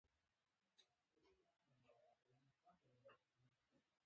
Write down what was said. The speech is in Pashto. دوی جامعه موته پوهنتون بولي.